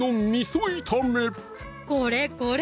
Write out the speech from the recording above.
これこれ！